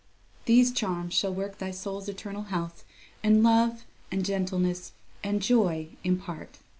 ..... These charms shall work thy soul's eternal health, And love, and gentleness, and joy, impart.